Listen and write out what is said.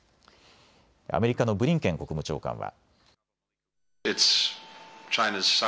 アメリカのブリンケン国務長官は。